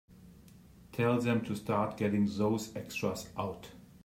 Tell them to start getting those extras out.